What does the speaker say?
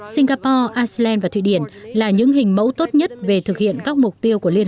singapore iceland và thụy điển là những hình mẫu tốt nhất về thực hiện các mục tiêu của liên